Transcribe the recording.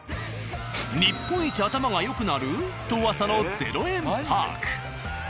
日本一頭がよくなる！？と噂の０円パーク。